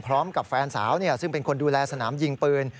พร้อมกับแฟนสาวซึ่งเป็นคนดูแลสนามยิงปืน